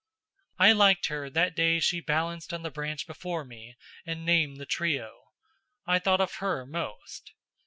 I liked her that day she balanced on the branch before me and named the trio. I thought of her most.